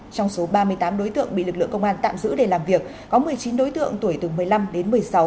trong số ba mươi tám đối tượng bị lực lượng công an tạm giữ để làm việc có một mươi chín đối tượng tuổi từ một mươi năm đến một mươi sáu